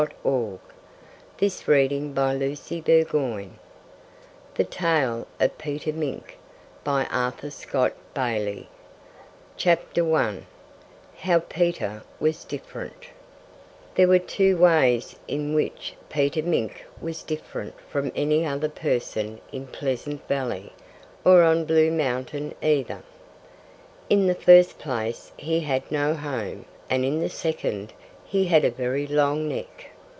22 JIMMY WENT SAILING THROUGH THE AIR 62 PETER PULLED JIMMY OUT OF THE MUD 90 THE TALE OF PETER MINK HOW PETER WAS DIFFERENT There were two ways in which Peter Mink was different from any other person in Pleasant Valley, or on Blue Mountain, either. In the first place, he had no home; and in the second, he had a very long neck.